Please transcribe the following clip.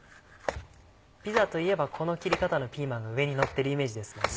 ピザといえばこの切り方のピーマンが上にのってるイメージですもんね。